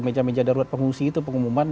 meja meja darurat pengungsi itu pengumuman